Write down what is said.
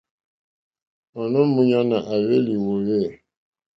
Ònô múɲánà à hwélì wòòwê.